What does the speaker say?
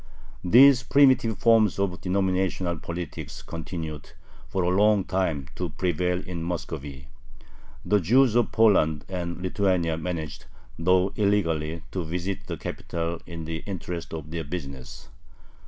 These primitive forms of denominational politics continued for a long time to prevail in Muscovy. The Jews of Poland and Lithuania managed, though illegally, to visit the capital in the interest of their business.